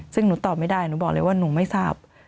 ซึ่งหนูตอบไม่ได้หนูบอกเลยว่าหนูไม่ทราบ